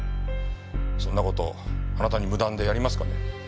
そんな事あなたに無断でやりますかね？